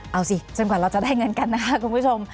เอาสิจนกว่าเราจะได้เงินกันนะคะคุณผู้ชม